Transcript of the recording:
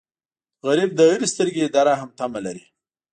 غریب له هرې سترګې د رحم تمه لري